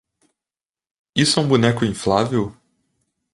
Isso é um boneco inflável?